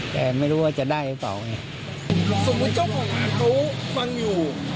แต่ไม่รู้ว่าจะได้หรือเปล่าไงสมมุติเจ้าของร้านเขาฟังอยู่